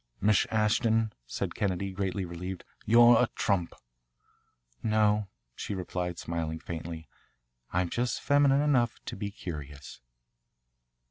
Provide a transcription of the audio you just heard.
"Miss Ashton," said Kennedy, greatly relieved, "you're a trump." "No," she replied, smiling faintly, "I'm just feminine enough to be curious."